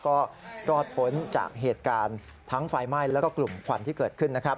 ก็รอดพ้นจากเหตุการณ์ทั้งไฟไหม้แล้วก็กลุ่มควันที่เกิดขึ้นนะครับ